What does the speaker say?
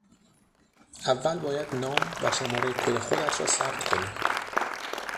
اول باید نام و شمارهی کد خودت را ثبت کنی.